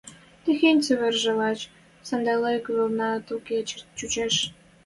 Техень цевержӹ лач сӓндӓлӹк вӹлнӓт укелӓ чучеш.